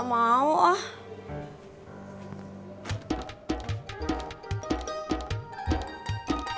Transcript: mas pradip tempat begini